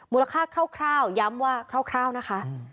ราคาคร่าวย้ำว่าคร่าวนะคะ